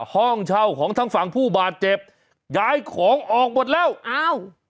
ห้องเช่าของทั้งฝั่งผู้บาดเจ็บย้ายของออกหมดแล้วอ้าว